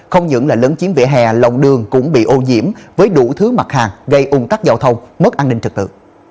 không những là lấn chiếm vỉa hè lòng đường cũng bị ô nhiễm với đủ thứ mặt hàng gây ung tắc giao thông mất an ninh trật tự